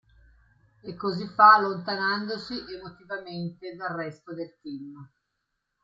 E così fa allontanandosi emotivamente dal resto del team.